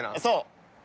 そう。